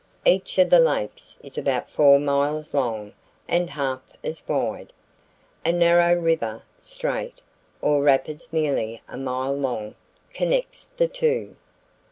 Each of the lakes is about four miles long and half as wide. A narrow river, strait, or rapids nearly a mile long connects the two.